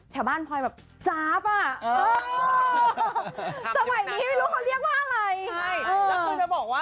แถวบ้านพ่อยแบบจ๊าบอะ